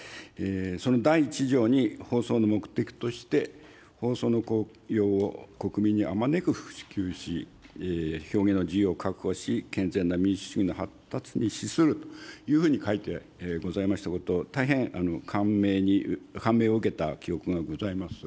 その第１条に、放送の目的として、放送の効用を国民にあまねく普及し、表現の自由を確保し、健全な民主主義の発達に資するというふうに書いてございましたことを、大変感銘を受けた記憶がございます。